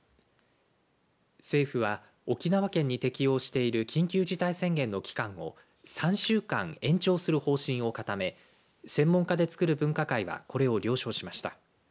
政府は沖縄県に適用している緊急事態宣言の期間を３週間延長する方針を固め専門家でつくる分科会はこれを了承しました。